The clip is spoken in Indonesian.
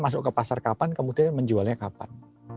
masuk ke pasar kapan kemudian menjualnya kapan